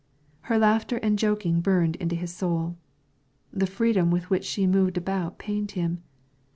Her laughter and joking burned into his soul, the freedom with which she moved about pained him.